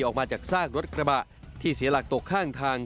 ออกมาจากซากรถกระบะที่เสียหลักตกข้างทาง